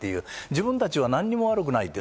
自分たちは何も悪くないって。